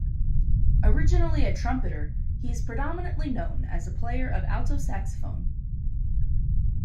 Originally a trumpeter, he is predominantly known as a player of alto saxophone.